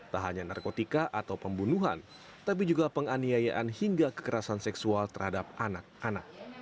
tak hanya narkotika atau pembunuhan tapi juga penganiayaan hingga kekerasan seksual terhadap anak anak